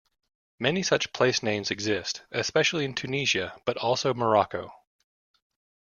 Many such place names exist, especially in Tunisia, but also Morocco.